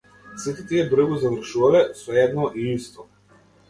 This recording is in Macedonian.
Сите тие бргу завршувале, со едно и исто.